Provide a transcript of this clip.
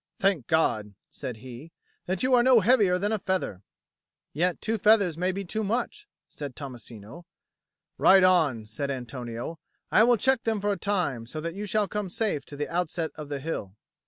"Thank God," said he, "that you are no heavier than a feather." "Yet two feathers may be too much," said Tommasino. "Ride on," said Antonio. "I will check them for a time, so that you shall come safe to the outset of the hill."